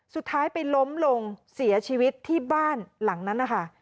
สุดท้ายไปล้มลงเสียชีวิตที่บ้านหลังนั้นนะคะ